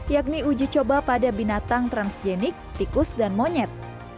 yakni uji coba pada binatang transgenik tikus dan monyet